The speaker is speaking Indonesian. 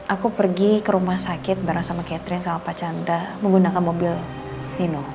aku pergi ke rumah sakit bareng sama catherine sama pak chandra menggunakan mobil nino